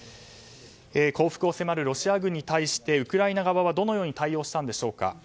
降伏を迫るロシア軍に対してウクライナ側はどのように対応したんでしょうか。